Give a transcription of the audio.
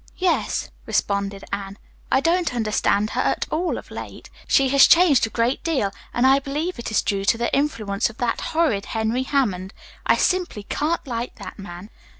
"Yes," responded Anne. "I don't understand her at all of late. She has changed a great deal, and I believe it is due to the influence of that horrid Henry Hammond. I simply can't like that man."